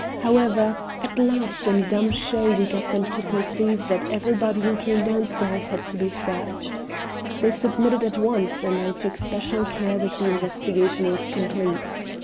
However, at last in dumb show we got them to perceive that everybody who came downstairs had to be searched. They submitted at once, and I took special care that the investigation was complete.